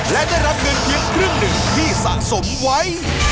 และได้รับเงินเพียงครึ่งหนึ่งที่สะสมไว้